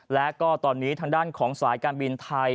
และก็ตอนนี้ทางด้านของสายการบินไทย